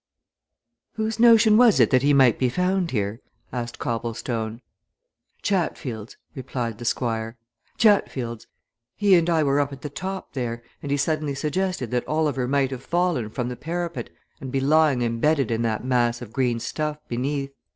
"Whose notion was it that he might be found here?" asked Copplestone. "Chatfield's," replied the Squire. "Chatfield's. He and I were up at the top there, and he suddenly suggested that Oliver might have fallen from the parapet and be lying embedded in that mass of green stuff beneath.